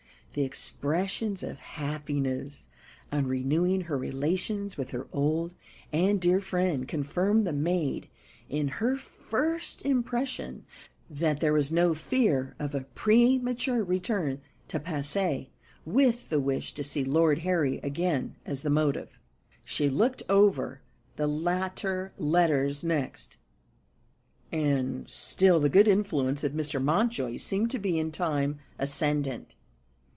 The expressions of happiness on renewing her relations with her old and dear friend confirmed the maid in her first impression that there was no fear of a premature return to Passy, with the wish to see Lord Harry again as the motive. She looked over the later letters next and still the good influence of Mr. Mountjoy seemed to be in time ascendant.